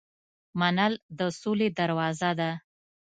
منل د سولې دروازه ده.